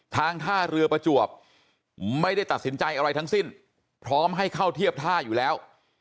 ท่าเรือประจวบไม่ได้ตัดสินใจอะไรทั้งสิ้นพร้อมให้เข้าเทียบท่าอยู่แล้ว